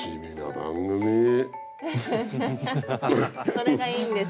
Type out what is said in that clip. それがいいんです。